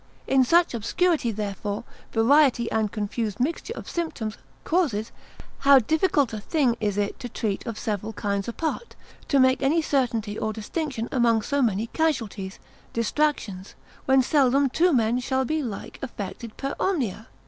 In such obscurity, therefore, variety and confused mixture of symptoms, causes, how difficult a thing is it to treat of several kinds apart; to make any certainty or distinction among so many casualties, distractions, when seldom two men shall be like effected per omnia?